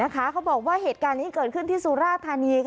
เขาบอกว่าเหตุการณ์นี้เกิดขึ้นที่สุราธานี